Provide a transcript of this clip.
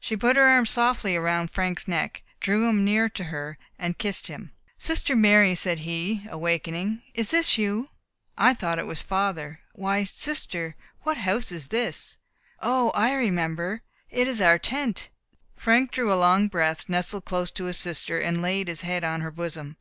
She put her arm softly round Frank's neck, drew him near to her, and kissed him. "Sister Mary," said he, awaking, "is this you? I thought it was father. Why, sister what house is this! O, I remember, it is our tent." Frank drew a long breath, nestled close to his sister, and laid his head on her bosom.